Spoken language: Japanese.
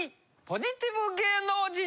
ポジティブ芸能人